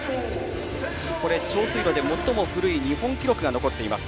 長水路で最も古い日本記録が残っています